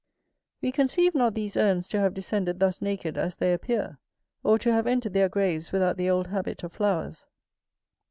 We conceive not these urns to have descended thus naked as they appear, or to have entered their graves without the old habit of flowers.